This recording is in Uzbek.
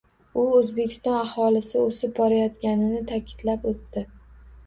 U O‘zbekiston aholisi o‘sib borayotgani ta’kidlab o‘tgan.